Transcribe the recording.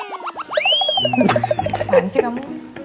apaan sih kamu